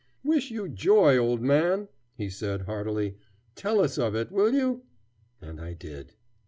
"Wish you joy, old man," he said heartily. "Tell us of it, will you?" And I did.